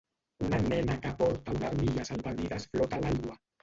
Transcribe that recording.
Una nena que porta una armilla salvavides flota a l'aigua.